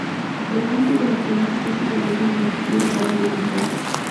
Los límites de las provincias prácticamente no han sufrido cambios desde entonces.